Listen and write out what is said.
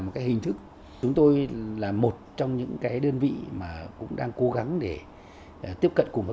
một cái hình thức chúng tôi là một trong những cái đơn vị mà cũng đang cố gắng để tiếp cận cùng với